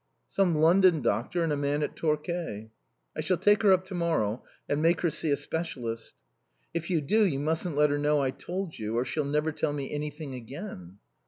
"Some London doctor and a man at Torquay." "I shall take her up to morrow and make her see a specialist." "If you do you mustn't let her know I told you, or she'll never tell me anything again."